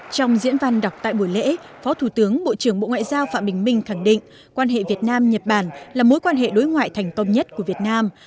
trong diễn văn đọc tại buổi lễ phó thủ tướng bộ trưởng bộ ngoại giao phạm bình minh khẳng định quan hệ việt nam nhật bản là mối quan hệ đối ngoại thành công nhất của việt nam